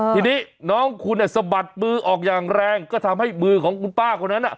ทีนี้น้องคุณสะบัดมือออกอย่างแรงก็ทำให้มือของคุณป้าคนนั้น